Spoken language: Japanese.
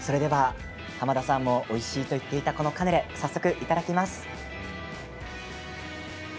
濱田さんもおいしいと言っていたカヌレ、早速いただきます。